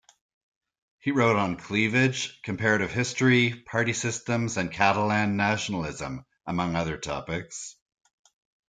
He wrote on cleavage, comparative history, party systems and Catalan nationalism, among other topics.